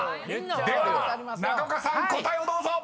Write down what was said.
［では中岡さん答えをどうぞ！］